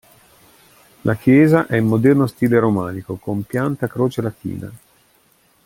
La chiesa è in moderno stile romanico, con pianta a croce latina.